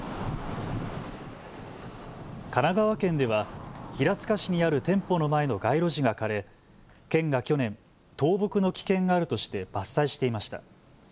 神奈川県では平塚市にある店舗の前の街路樹が枯れ県が去年、倒木の危険があるとして伐採していました。